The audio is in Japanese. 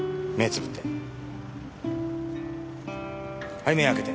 はい目開けて。